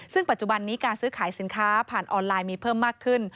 ซึ่งปัจจุบันนี้การซื้อขายสินค้าผ่านออนไลน์มีเพิ่มมากขึ้น